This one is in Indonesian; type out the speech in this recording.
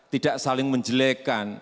tidak saling menjelekan